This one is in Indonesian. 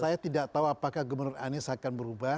saya tidak tahu apakah gubernur anies akan berubah